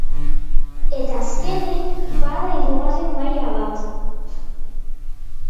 Eta azkenik, bada hirugarren maila bat.